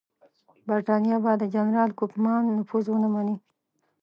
برټانیه به د جنرال کوفمان نفوذ ونه مني.